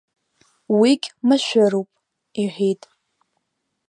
Уигь машәыруп, иҳәит.